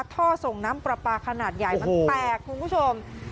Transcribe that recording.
ท่อส่งน้ำปลาปลาขนาดใหญ่มันแตกคุณผู้ชม